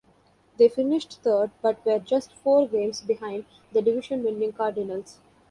They finished third, but were just four games behind the division-winning Cardinals.